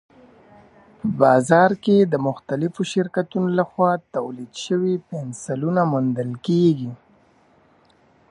په بازار کې د مختلفو شرکتونو لخوا تولید شوي پنسلونه موندل کېږي.